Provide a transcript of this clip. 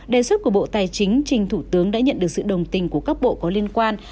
đề xuất của bộ tài chính trình thủ tướng đã nhận được sự đồng tình của các bộ có liên quan